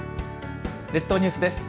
列島ニュースです。